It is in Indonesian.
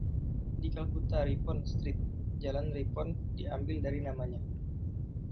Di Kalkuta, Ripon Street (Jalan Rippon) diambil dari namanya.